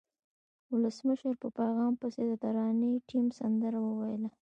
ولسمشر په پیغام پسې د ترانې ټیم سندره وویله.